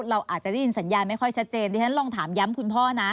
เราอาจจะได้ยินสัญญาณไม่ค่อยชัดเจนดิฉันลองถามย้ำคุณพ่อนะ